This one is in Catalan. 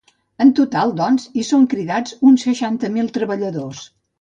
En total, doncs, hi són cridats uns seixanta mil treballadors.